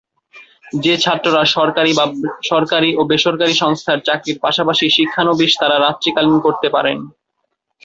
যে ছাত্ররা সরকারি ও বেসরকারি সংস্থার চাকরির পাশাপাশি শিক্ষানবিশ তারা রাত্রি কালীন করতে পারেন।